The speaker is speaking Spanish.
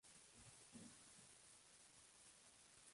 Semanario que funcionaba en el Estudio Jurídico de los Dres.